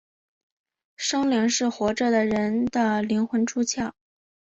生灵是活着的人的灵魂出窍。